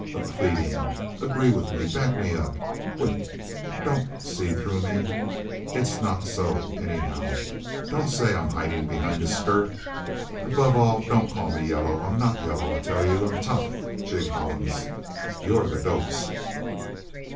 A pleading: Agree with me back me up quit! Don't see through me it's not so, anyhow! Don't say I'm hiding behind a skirt... Above all, don't call me yellow! I'm not yellow, I tell you! I'm tough Jig Hollins! You're the dopes!...